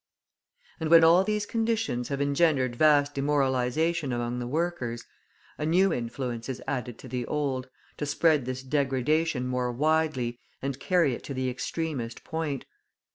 And when all these conditions have engendered vast demoralisation among the workers, a new influence is added to the old, to spread this degradation more widely and carry it to the extremest point.